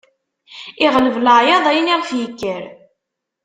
Iɣleb leɛyaḍ ayen iɣef yekker.